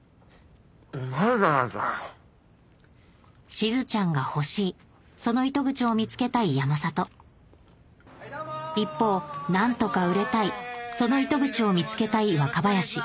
しずちゃんが欲しいその糸口を見つけたい山里一方何とか売れたいその糸口を見つけたい若林